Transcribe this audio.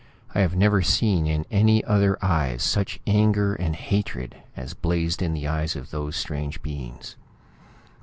I have never seen in any other eyes such anger and hatred as blazed in the eyes of those strange beings.